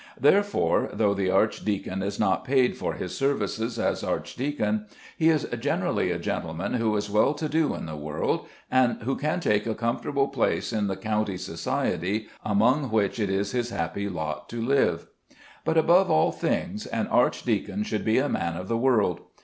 Therefore, though the archdeacon is not paid for his services as archdeacon, he is generally a gentleman who is well to do in the world, and who can take a comfortable place in the county society among which it is his happy lot to live. But, above all things, an archdeacon should be a man of the world.